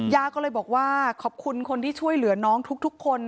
ยาก็เลยบอกว่าขอบคุณคนที่ช่วยเหลือน้องทุกคน